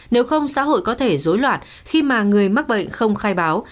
nếu không xã hội có thể dối loạn khi mà người mắc bệnh không khai báo